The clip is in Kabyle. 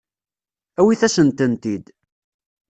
Awit-asent-tent-id.